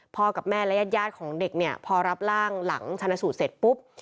พอกับแม่และญาติย่าของเด็กพอรับร่างหลังชะนสูตรเสร็จปุ๊บ